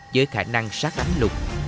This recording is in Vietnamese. với khả năng sát ánh lục